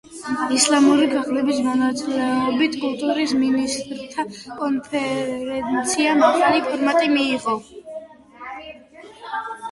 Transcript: ისლამური ქვეყნების მონაწილეობით, კულტურის მინისტრთა კონფერენციამ ახალი ფორმატი მიიღო.